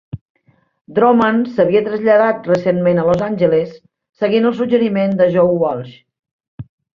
Droman s'havia traslladat recentment a Los Angeles seguint el suggeriment de Joe Walsh.